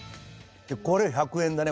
これ１００円だね。